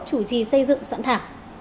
chủ trì xây dựng soạn thả